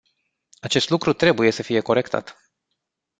Acest lucru trebuie să fie corectat.